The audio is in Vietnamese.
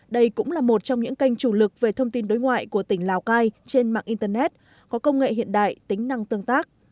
đây cũng là một trong những kênh chủ lực về thông tin đối ngoại của tỉnh lào cai trên mạng internet có công nghệ hiện đại tính năng tương tác